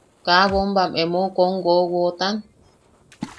¿Kaa bombam emeu kom wowotan?